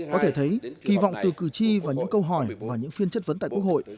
có thể thấy kỳ vọng từ cử tri và những câu hỏi và những phiên chất vấn tại quốc hội